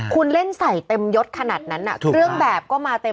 คุณเล่นใส่เต็มยดขนาดนั้นเครื่องแบบก็มาเต็ม